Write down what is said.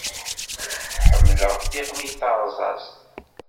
Ḥemmleɣ tiɣmi tarẓazt.